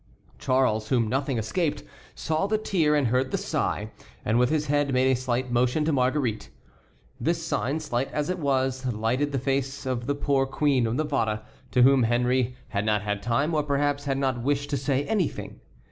Charles, whom nothing escaped, saw the tear and heard the sigh, and with his head made a slight motion to Marguerite. This sign, slight as it was, lighted the face of the poor Queen of Navarre, to whom Henry had not had time or perhaps had not wished to say anything.